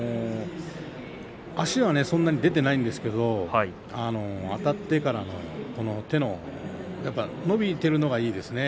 足は、そんなに出ていないんですけれどあたってからのやっぱり手が伸びているのがいいですね。